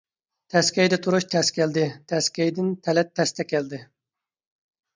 تەسكەيدە تۇرۇش تەس كەلدى، تەسكەيدىن تەلەت تەستە كەلدى.